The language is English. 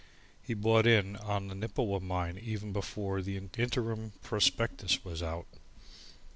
He bought in on the Nippewa mine even before the interim prospectus was out.